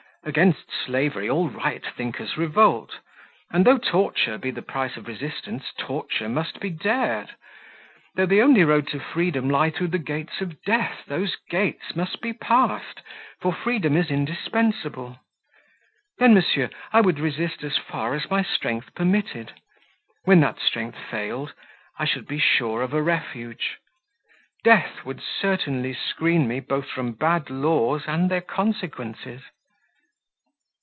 Against slavery all right thinkers revolt, and though torture be the price of resistance, torture must be dared: though the only road to freedom lie through the gates of death, those gates must be passed; for freedom is indispensable. Then, monsieur, I would resist as far as my strength permitted; when that strength failed I should be sure of a refuge. Death would certainly screen me both from bad laws and their consequences."